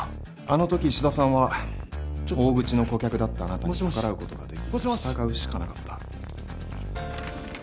あのとき石田さんは大口の顧客だったあなたに逆らうことができず従うしかなかった。